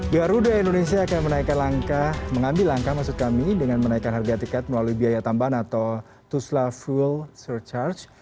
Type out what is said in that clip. garuda indonesia akan mengambil langkah dengan menaikkan harga tiket melalui biaya tambahan atau tusla full surcharge